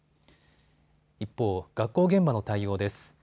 一方、学校現場の対応です。